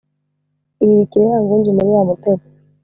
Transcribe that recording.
ihirikira ya ngunzu muri wa mutego.